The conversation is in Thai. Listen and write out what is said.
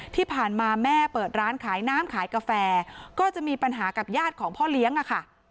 ที่ผ่านมาแม่เปิดร้านขายน้ำขายกาแฟก็จะมีปัญหากับญาติของพ่อเลี้ยงอะค่ะ